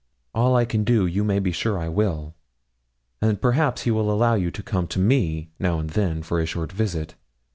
'All I can do, you may be sure I will, and perhaps he will allow you to come to me, now and then, for a short visit.